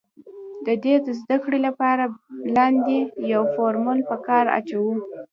د دې د زده کړې له پاره لاندې يو فورمول په کار اچوو